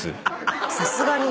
さすがに。